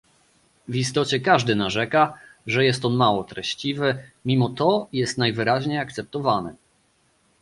W istocie każdy narzeka, że jest on mało treściwy, mimo to jest najwyraźniej akceptowany